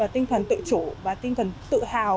tinh thần tự chủ và tinh thần tự hào